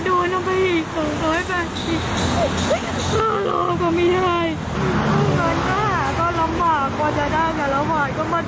ก่อนจะได้การร้องหวา